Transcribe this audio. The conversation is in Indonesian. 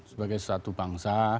sebagai satu bangsa